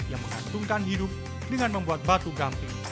yang mengandungkan hidup dengan membuat batu gampik